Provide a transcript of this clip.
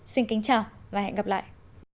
xin kính chào và hẹn gặp lại